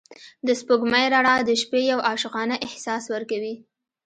د سپوږمۍ رڼا د شپې یو عاشقانه احساس ورکوي.